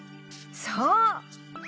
そう！